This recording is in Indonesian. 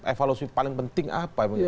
evaluasi paling penting apa